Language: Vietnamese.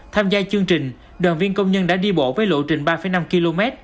tham gia chương trình đoàn viên công nhân đã đi bộ với lộ trình ba năm km